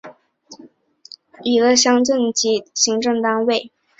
覃巴镇是下辖的一个乡镇级行政单位。